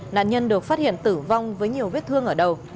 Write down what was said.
nạn nhân được phát hiện tử vong với nhiều vết thương ở đầu